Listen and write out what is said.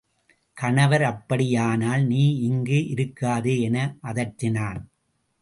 கணவர் அப்படியானால் நீ இங்கு இருக்காதே என அதட்டினான்.